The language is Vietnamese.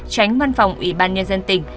tránh văn phòng ubnd tỉnh